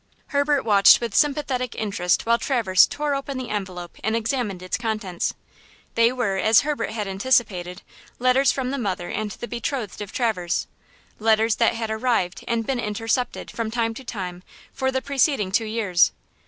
Herbert watched with sympathetic interest while Traverse tore open the envelope and examined its contents. They were, as Herbert had anticipated, letters from the mother and the betrothed of Traverse–letters that had arrived and been intercepted, from time to time, for the preceding two years.